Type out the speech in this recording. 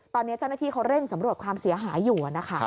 ตอนนี้เจ้าหน้าที่เขาเร่งสำรวจความเสียหายอยู่นะคะ